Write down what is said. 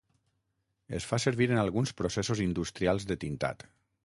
Es fa servir en alguns processos industrials de tintat.